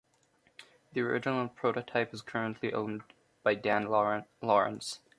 The original prototype is currently owned by Dan Lawrence.